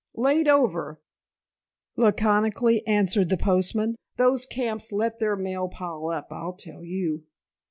"Laid over," laconically answered the postman. "Those camps let their mail pile up, I'll tell you."